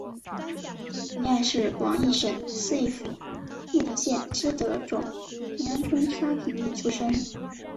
黎艾是广义省思义府慕德县知德总平安村沙平邑出生。